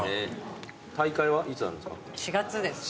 大会はいつあるんですか？